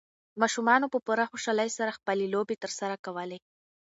ماشومانو په پوره خوشالۍ سره خپلې لوبې ترسره کولې.